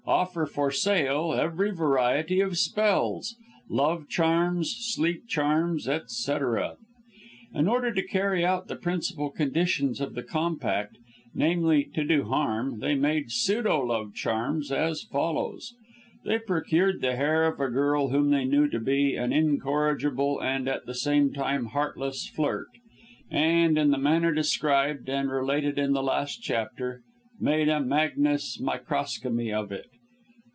offer for sale every variety of spells love charms, sleep charms, etc. In order to carry out the principal conditions of the compact, namely, to do harm, they made pseudo love charms as follows: They procured the hair of a girl whom they knew to be an incorrigible, and, at the same time, heartless flirt; and, in the manner described (and related in the last chapter) made a magnes microcosmi of it.